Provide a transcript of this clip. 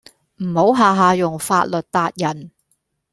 唔好下下用法律撻人